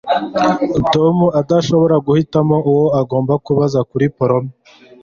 Tom ntashobora guhitamo uwo agomba kubaza kuri prom